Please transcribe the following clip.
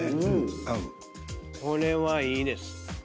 これはいいです。